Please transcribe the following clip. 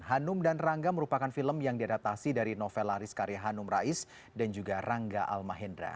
hanum dan rangga merupakan film yang diadaptasi dari novelaris karya hanum rais dan juga rangga al mahendra